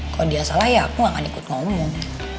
kalo dia salah ya aku gak akan ikut ngomong